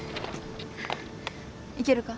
いけるか？